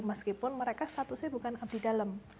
meskipun mereka statusnya bukan abdi dalam